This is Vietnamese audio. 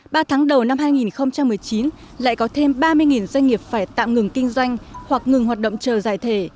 ba tháng đầu năm hai nghìn một mươi chín lại có thêm ba mươi doanh nghiệp phải tạm ngừng kinh doanh hoặc ngừng hoạt động chờ giải thể